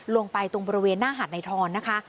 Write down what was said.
ลงไปตรงบริเวณหน้าหาดในทอนนะคะ